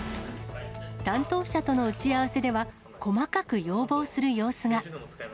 担当者との打ち合わせでは、細かく要望する様子が。